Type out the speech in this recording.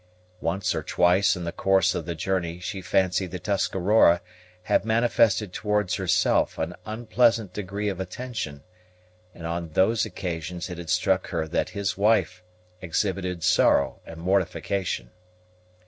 Once or twice in the course of the journey she fancied the Tuscarora had manifested towards herself an unpleasant degree of attention; and on those occasions it had struck her that his wife exhibited sorrow and mortification.